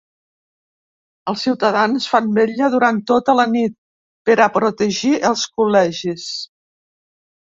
Els ciutadans fan vetlla durant tota la nit per a protegir els col·legis.